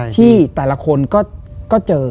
ที่แต่ละคนก็เจอ